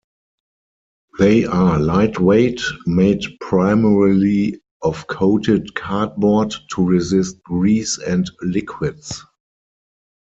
They are lightweight, made primarily of coated cardboard to resist grease and liquids.